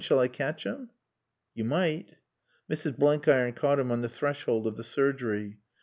Shall I catch him?" "You might." Mrs. Blenkiron caught him on the threshold of the surgery.